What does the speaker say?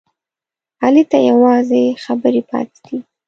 علي ته یوازې خبرې پاتې دي.